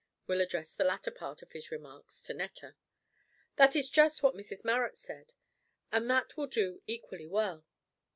Will addressed the latter part of his remarks to Netta. "That is just what Mrs Marrot said, and that will do equally well.